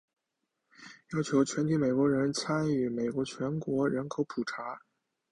要求全体美国人参与美国全国人口普查。